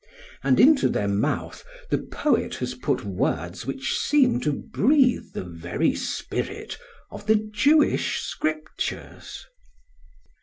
And into their mouth the poet has put words which seem to breathe the very spirit of the Jewish scriptures.